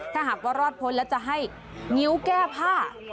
ถ้าหากว่ารอดพ้นแล้วจะให้งิ้วแก้ผ้า